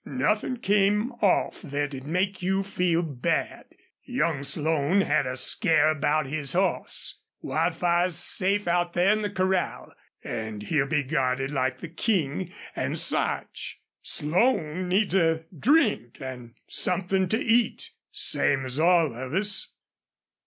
"Nothin' came off thet'd make you feel bad. Young Slone had a scare about his hoss. Wildfire's safe out there in the corral, an' he'll be guarded like the King an' Sarch. Slone needs a drink an' somethin' to eat, same as all of us."